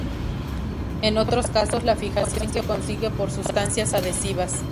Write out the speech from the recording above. En otros casos la fijación se consigue por sustancias adhesivas.